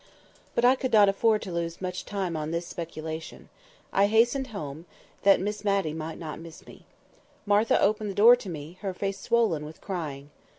But I could not afford to lose much time on this speculation. I hastened home, that Miss Matty might not miss me. Martha opened the door to me, her face swollen with crying.